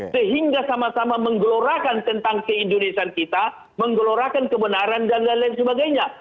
sehingga sama sama menggelorakan tentang keindonesian kita menggelorakan kebenaran dan lain lain sebagainya